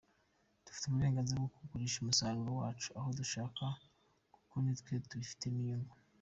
Dufite uburenganzira bwo kugurisha umusaruro wacu aho dushaka kuko ni twe tubifitemo inyugu.